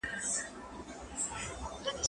زه پرون پوښتنه وکړه؟